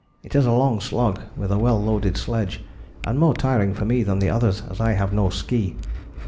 It is a long slog with a well loaded sledge, and more tiring for me than the others, as I have no ski.